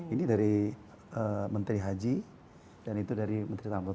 ini dari menteri haji dan itu dari menteri transportasi